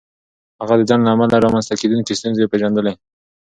هغه د ځنډ له امله رامنځته کېدونکې ستونزې پېژندلې.